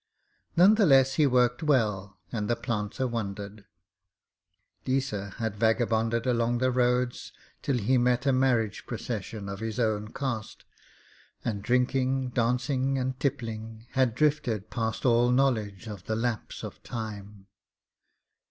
None the less he worked well, and the planter wondered. Deesa had vagabonded along the roads till he met a marriage procession of his own caste and, drinking, dancing, and tippling, had drifted past all knowledge of the lapse of time.